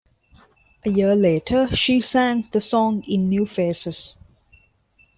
A year later, she sang the song in "New Faces".